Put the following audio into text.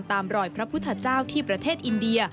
ตามรอยพระพุทธเจ้าที่ประเทศอินเดีย